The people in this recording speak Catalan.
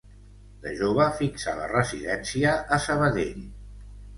De jove, fixà la residència a Sabadell.